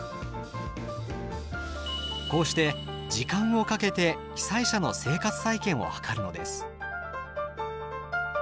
こうして時間をかけて被災者の生活再建を図るのです。